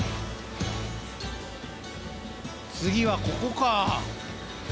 次はここか？